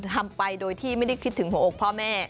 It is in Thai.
ทำไปโดยที่ไม่ได้คิดถึงหัวอกพ่อแม่